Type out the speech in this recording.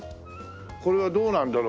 これはどうなんだろう？